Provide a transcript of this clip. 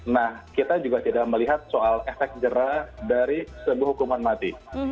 nah kita juga tidak melihat soal efek jerah dari sebuah hukuman mati